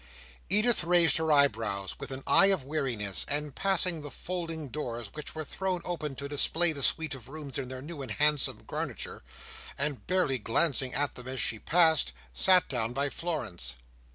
Edith raised her eyebrows with an air of weariness; and passing the folding doors which were thrown open to display the suite of rooms in their new and handsome garniture, and barely glancing at them as she passed, sat down by Florence.